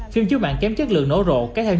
phim chiếu mạng kém chất lượng nổ rộ